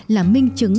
là minh chứng